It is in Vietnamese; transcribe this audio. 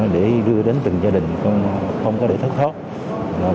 để đưa đến từng gia đình không có để thất thoát